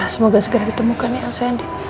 semoga segera ditemukan ya elsa yandi